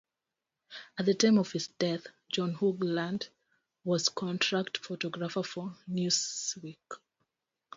At the time of his death, John Hoagland was a contract photographer for "Newsweek".